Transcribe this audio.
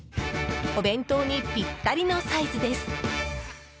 お弁当にピッタリのサイズです。